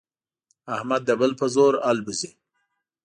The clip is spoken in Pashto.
احمد د بل په زور الوزي.